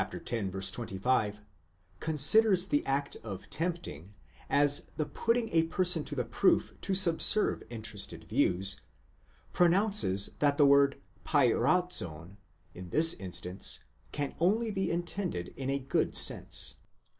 25) considers the act of tempting (ἐκπειράζων) as the putting a person to the proof to subserve interested views, pronounces that the word πειράζων in this instance can only be intended in a good sense.